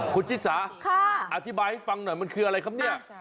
คุณจิตสาอธิบายให้ฟังหน่อยมันคืออะไรครับนี่ค่ะค่ะสาว